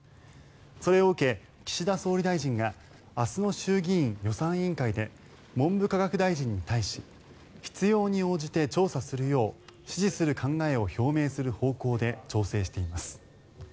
それを受け岸田総理大臣が明日の衆議院予算委員会で文部科学大臣に対し必要に応じて調査するよう指示する考えを表明する方向で調整しています。